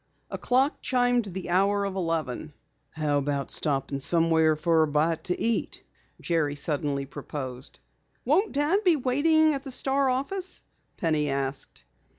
A clock chimed the hour of eleven. "How about stopping somewhere for a bite to eat?" Jerry suddenly proposed. "Won't Dad be waiting at the Star office?" Penny asked.